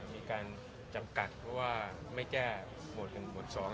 มีการจำกัดเพราะว่าไม่แก้โหมดหนึ่งโหมดสอง